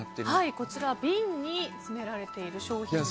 こちら瓶に詰められている商品です。